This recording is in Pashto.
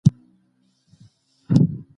پروژه د لوبو کڅوړې هم ورکوي.